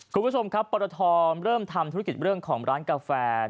คุณผู้ชมครับปรทเริ่มทำธุรกิจเรื่องของร้านกาแฟ